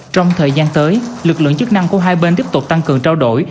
trong thời gian tới lực lượng chức năng của hai bên tiếp tục tăng cường trao đổi